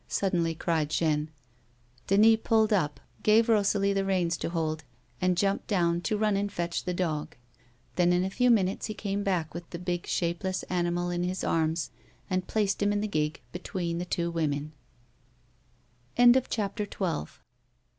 " suddenly cried Jeanne. Denis pulled \ip, gave Eosalie the reins to hold, and jumped down to run and fetch the dog. Then in a few minutes he came back with the big, shapeless animal in his arms and placed him in the gig between th